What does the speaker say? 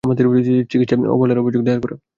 আমাদের উচিৎ চিকিৎসায় অবহেলার অভিযোগ দায়ের করা।